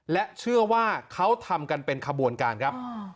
และเชื่อว่าเขาทำกันเป็นขบวนการครับ